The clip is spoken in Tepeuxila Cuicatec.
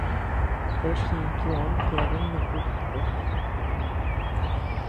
Toch jinkioʼö yabean nëʼe kuyadu.